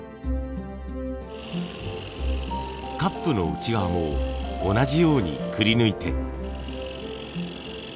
カップの内側も同じようにくりぬいて。